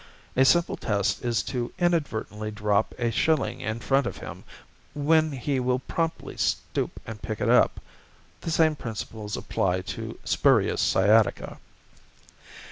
A simple test is to inadvertently drop a shilling in front of him, when he will promptly stoop and pick it up. The same principles apply to spurious sciatica.